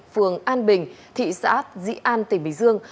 phường an bình thị xã dĩ an tỉnh bình dương